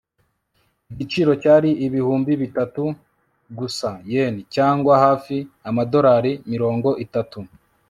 igiciro cyari ibihumbi bitatu gusa yen, cyangwa hafi amadorari mirongo itatu